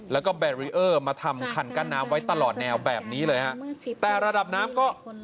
แล้วก็แบรีเออร์มาทำคันกั้นน้ำไว้ตลอดแนวแบบนี้เลยฮะแต่ระดับน้ำก็